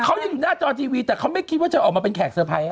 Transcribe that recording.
เขายังอยู่หน้าจอทีวีแต่เขาไม่คิดว่าจะออกมาเป็นแขกเซอร์ไพรส